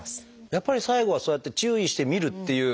やっぱり最後はそうやって注意してみるっていう